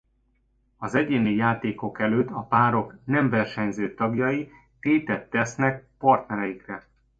Az egyéni játékok előtt a párok nem versenyző tagjai tétet tesznek partnereikre.